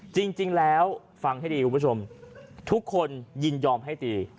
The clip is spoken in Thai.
จริงแล้วฟังให้ดีคุณผู้ชมทุกคนยินยอมให้ตี